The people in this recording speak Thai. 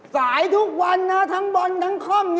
สายทุกวันนะทั้งบอลทั้งค่อม